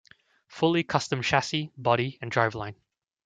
Fully custom chassis, body and drive-line.